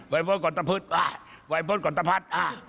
วัยพจน์กรรตพฤษวัยพจน์กรรตพัฒน์